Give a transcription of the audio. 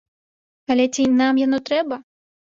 Але ці нам яно трэба?